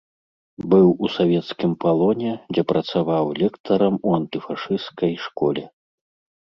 Быў у савецкім палоне, дзе працаваў лектарам у антыфашысцкай школе.